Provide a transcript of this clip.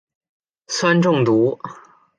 酸中毒。